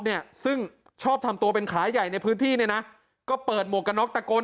เนี่ยซึ่งชอบทำตัวเป็นขาใหญ่ในพื้นที่เนี่ยนะก็เปิดหมวกกันน็อกตะโกน